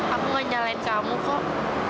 aku gak nyalain kamu kok